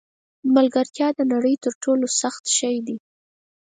ملګرتیا د نړۍ تر ټولو سخت شی دی.